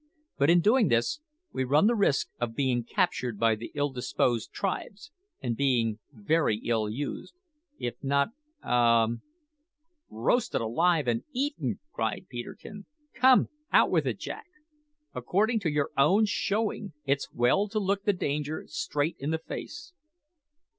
But in doing this we run the risk of being captured by the ill disposed tribes, and being very ill used, if not a " "Roasted alive and eaten!" cried Peterkin. "Come, out with it, Jack! According to your own showing, it's well to look the danger straight in the face."